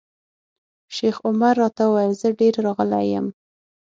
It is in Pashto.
شیخ عمر راته وویل زه ډېر راغلی یم.